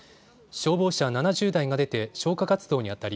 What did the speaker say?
消防車７０台が出て消火活動にあたり